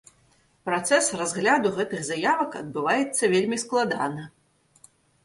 Працэс разгляду гэтых заявак адбываецца вельмі складана.